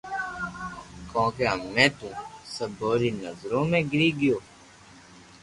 ڪونڪھ ھمي تو سبو ري نظرو ۾ گيري گيو